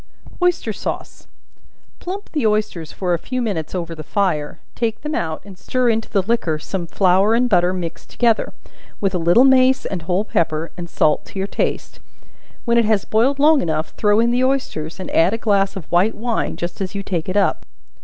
Oyster Sauce. Plump the oysters for a few minutes over the fire; take them out and stir into the liquor some flour and butter mixed together, with a little mace and whole pepper, and salt to your taste; when it has boiled long enough, throw in the oysters, and add a glass of white wine, just as you take it up.